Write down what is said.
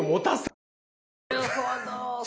なるほど。